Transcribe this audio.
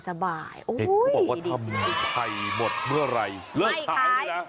เห็นเขาบอกว่าทำไข่หมดเมื่อไหร่เลิกขายเลยนะ